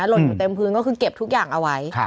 หล่นอยู่เต็มพื้นก็คือเก็บทุกอย่างเอาไว้